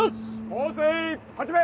放水始め！